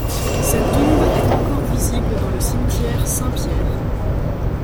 Sa tombe est encore visible dans le cimetière Saint-Pierre.